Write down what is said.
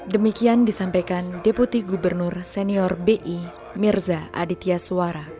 demikian disampaikan deputi gubernur senior bi mirza aditya suara